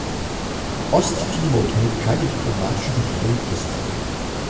Osttimor unterhält keine diplomatische Vertretung in Estland.